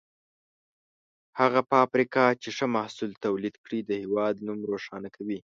هره فابریکه چې ښه محصول تولید کړي، د هېواد نوم روښانه کوي.